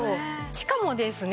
しかもですね